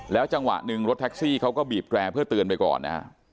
จังหวะหนึ่งรถแท็กซี่เขาก็บีบแกร่เพื่อเตือนไปก่อนนะฮะ